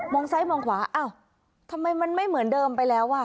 ซ้ายมองขวาอ้าวทำไมมันไม่เหมือนเดิมไปแล้วอ่ะ